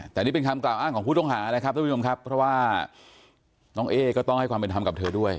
แต่นี่เป็นคำกล่าวอ้างของผู้ต้องหานะครับท่านผู้ชมครับเพราะว่าน้องเอ๊ก็ต้องให้ความเป็นธรรมกับเธอด้วย